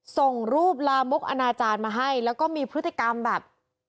ส่งรูปลามกอนาจารย์มาให้แล้วก็มีพฤติกรรมแบบ